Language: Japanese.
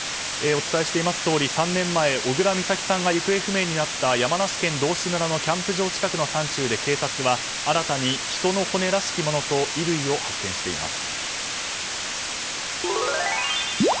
お伝えしていますとおり３年前、小倉美咲さんが行方不明になった山梨県道志村のキャンプ場近くの山中で警察は新たに人の骨らしきものと衣類を発見しています。